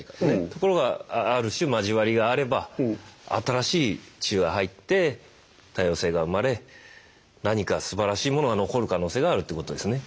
ところがある種交わりがあれば新しい血が入って多様性が生まれ何かすばらしいものが残る可能性があるってことですね。